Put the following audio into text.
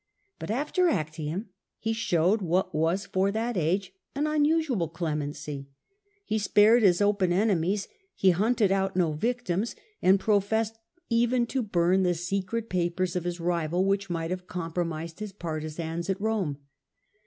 But after Actium he showed what was for that age an unusual clemency. He spared his open enemies, he hunted out no victims, and professed even to bum the secret papers of his rival which might have compromised his partisans at Rome.